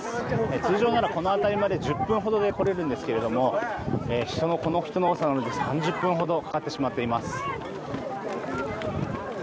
通常ならこのあたりまで１０分で来れるんですけれどもこの人の多さで３０分ほどかかってしまっています。